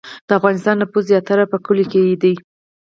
د افغانستان نفوس زیاتره په کلیو کې دی